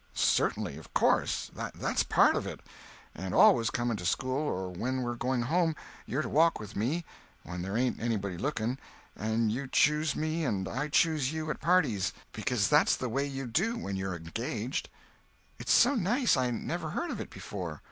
"Certainly. Of course. That's part of it. And always coming to school or when we're going home, you're to walk with me, when there ain't anybody looking—and you choose me and I choose you at parties, because that's the way you do when you're engaged." "It's so nice. I never heard of it before."